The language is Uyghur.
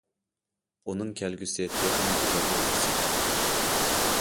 ئۇنىڭ كەلگۈسى تېخىمۇ گۈزەل بولغۇسى.